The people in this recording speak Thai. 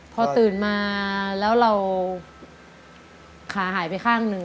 พอตื่นมาแล้วเราขาหายไปข้างหนึ่ง